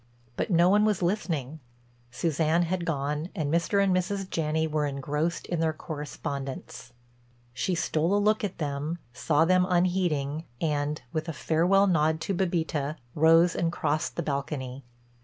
But no one was listening; Suzanne had gone and Mr. and Mrs. Janney were engrossed in their correspondence. She stole a look at them, saw them unheeding and, with a farewell nod to Bébita, rose and crossed the balcony.